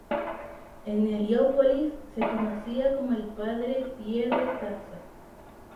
En Heliópolis se le conocía como el Padre Pierre Taza.